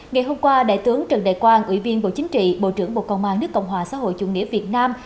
ngày hôm qua đại tướng trần đại quang ủy viên bộ chính trị bộ trưởng bộ công an nước cộng hòa xã hội chủ nghĩa việt nam